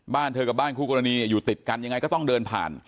บ้านเธอกับบ้านคู่กรณีอยู่ติดกันยังไงก็ต้องเดินผ่าน